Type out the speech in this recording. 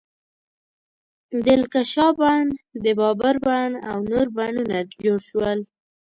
د لکشا بڼ، د بابر بڼ او نور بڼونه جوړ شول.